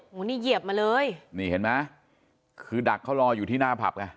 โอ้โหนี่เหยียบมาเลยนี่เห็นไหมคือดักเขารออยู่ที่หน้าผับไง